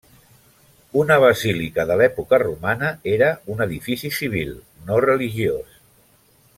Una basílica de l'època romana era un edifici civil, no religiós.